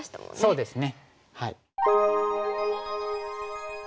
そうですね。